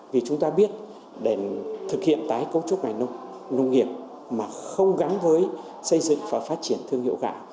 vì chúng ta biết để thực hiện tái cấu trúc ngành nông nghiệp mà không gắn với xây dựng và phát triển thương hiệu gạo